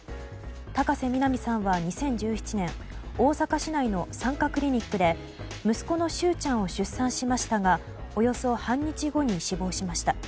高瀬実菜美さんは２０１７年大阪市内の産科クリニックで息子の柊ちゃんを出産しましたがおよそ半日後に死亡しました。